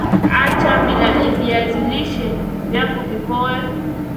Acha viazi lishe vyako vipoe